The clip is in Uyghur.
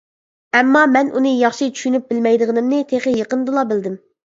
ئەمما مەن ئۇنى ياخشى چۈشىنىپ بىلمەيدىغىنىمنى تېخى يېقىندىلا بىلدىم.